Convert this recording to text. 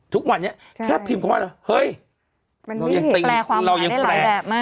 ทุกวันนี้ใช่แค่พิมพ์ของเราเฮ้ยมันไม่เห็นแปลความรายได้หลายแบบมาก